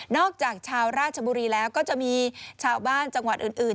จากชาวราชบุรีแล้วก็จะมีชาวบ้านจังหวัดอื่น